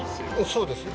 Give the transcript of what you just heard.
そうですよ。